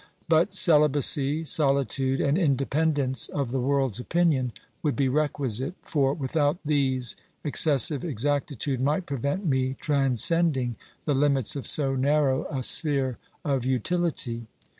But celibacy, solitude and inde pendence of the world's opinion would be requisite, for, without these, excessive exactitude might prevent me tran scending the limits of so narrow a sphere of utility.